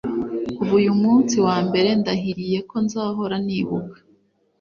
kuva uyu munsi wa mbere, ndahiriye ko nzahora nibuka